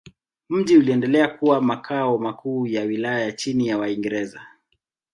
Mji uliendelea kuwa makao makuu ya wilaya chini ya Waingereza.